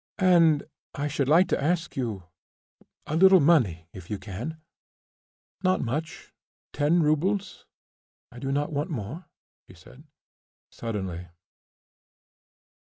"And I should like to ask you ... a little money if you can ... not much; ten roubles, I do not want more," she said, suddenly.